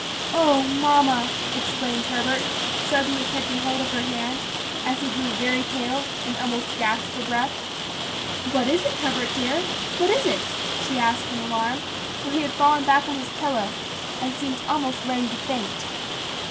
"Oh! mamma," exclaimed Herbert, suddenly matching hold of her hand and he grew very pale, and almost gasped for breath. "What is it, Herbert dear, what is it?" she asked in alarm; for he had fallen back on his pillow, and seemed almost ready to faint.